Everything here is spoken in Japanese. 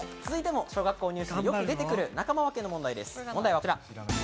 続いても小学校入試によく出てくる仲間分けの問題です。